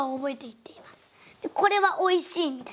これは「おいしい」みたいで。